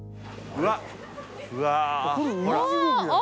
うわ！